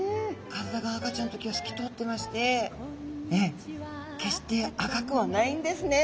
体が赤ちゃんの時はすき通ってまして決して赤くはないんですね